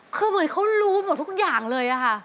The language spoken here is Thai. คือเหมือนเขารู้หมดทุกอย่างเลยค่ะ